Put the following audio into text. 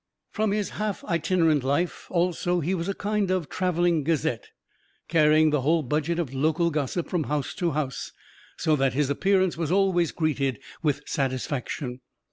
From his half itinerant life, also, he was a kind of traveling gazette, carrying the whole budget of local gossip from house to house, so that his appearance was always greeted with satisfaction.